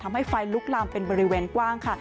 ทำให้ไฟลุกลามเป็นบริเวณกว้าง